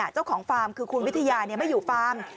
เจ้าของฟาร์มคือคุณวิทยามาอยู่ฟาร์ม